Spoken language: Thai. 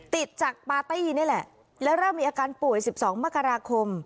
ติดจากปาร์ตี้แล้วแม่งมีอาการป่วย๑๒มกราคม